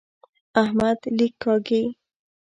احمد لیک کاږي.